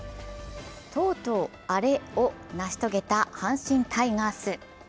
とうとうアレを成し遂げた阪神タイガース。